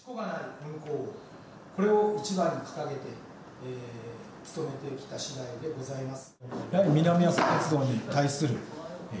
これを一番に掲げて努めていきたいしだいでございます。